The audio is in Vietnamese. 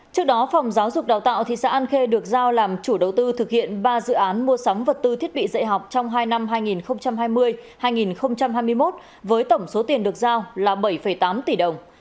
trước đó phòng giáo dục đào tạo thị xã an khê được giao làm chủ đầu tư thực hiện ba dự án mua sắm vật tư thiết bị dạy học trong hai năm hai nghìn hai mươi hai nghìn hai mươi một với tổng số tiền được giao là bảy tám tỷ đồng